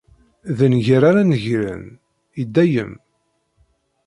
D nnger ara negren, i dayem.